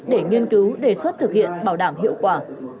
để nghiên cứu đề xuất thực hiện bảo đảm hiệu quả